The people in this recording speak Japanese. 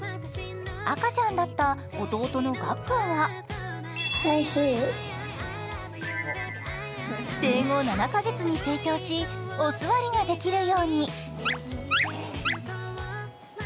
赤ちゃんだった弟のがっくんは生後７か月に成長しお座りができるように。